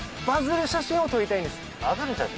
バズる写真を撮りたいんです。